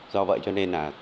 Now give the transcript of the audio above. do vậy cho nên là